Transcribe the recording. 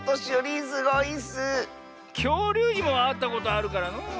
きょうりゅうにもあったことあるからのう。